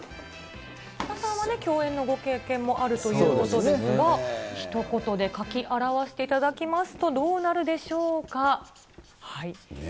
菅田さんは、共演のご経験もあるということですが、ひと言で書き表していただきますと、どうなるでしょうか。